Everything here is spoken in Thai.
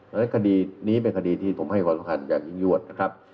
เข้ากิจธรรมนี้เป็นคดีที่ผมให้วัสดิ์คันอยากินยวดนะครับ